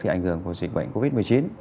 ảnh hưởng của dịch bệnh covid một mươi chín